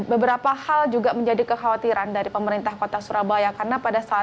beberapa hal juga menjadi kekhawatiran dari pemerintah kota surabaya